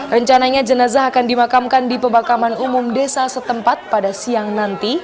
rencananya jenazah akan dimakamkan di pemakaman umum desa setempat pada siang nanti